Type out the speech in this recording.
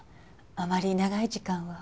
あまり長い時間は。